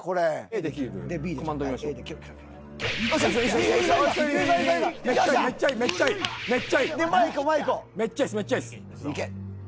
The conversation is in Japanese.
えっ。